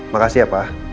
makasih ya pak